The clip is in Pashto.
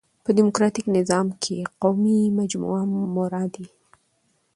په ډيموکراټ نظام کښي قومي مجموعه مراد يي.